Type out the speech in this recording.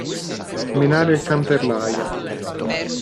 Menare il can per l'aia.